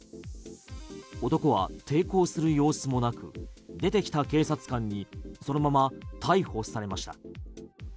男は抵抗する様子もなく出てきた警察官にそのまま逮捕されました。